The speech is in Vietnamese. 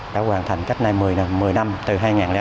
đã hoàn thành cách nay một mươi năm từ hai nghìn năm